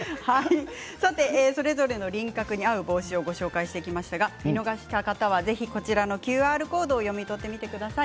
それぞれの輪郭に合う帽子を紹介してきましたが見逃した方はこちらのＱＲコードを読み取ってください。